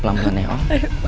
pelan pelan ya om